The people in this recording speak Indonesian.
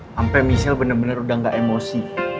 sampai michelle bener bener udah gak emosi